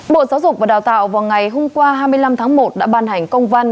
bộ giáo dục và đào tạo vào ngày hôm qua hai mươi năm tháng một đã ban hành công văn